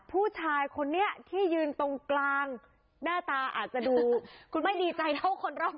ผู้ชายคนนี้ที่ยืนตรงกลางหน้าตาอาจจะดูคุณไม่ดีใจเท่าคนรอบ